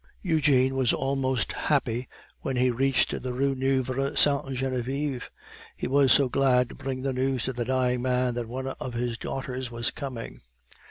Eugene was almost happy when he reached the Rue Nueve Sainte Genevieve; he was so glad to bring the news to the dying man that one of his daughters was coming.